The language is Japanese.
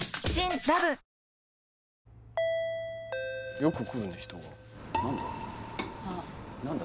よく来るね人が何だ？